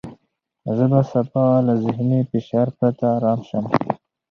زه به سبا له ذهني فشار پرته ارامه شوم.